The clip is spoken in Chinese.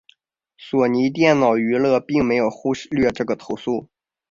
索尼电脑娱乐并没有忽略这个投诉。